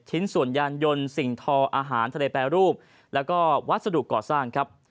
ชิ้นส่วนยานยนต์สิ่งทออาหารทะเลแปรรูปแล้วก็วัสดุก่อสร้างครับ